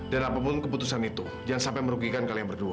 dan apapun keputusan itu jangan sampai merugikan kalian berdua